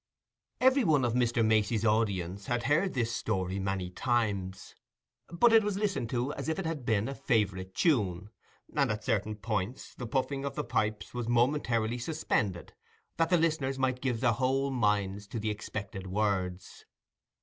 Every one of Mr. Macey's audience had heard this story many times, but it was listened to as if it had been a favourite tune, and at certain points the puffing of the pipes was momentarily suspended, that the listeners might give their whole minds to the expected words.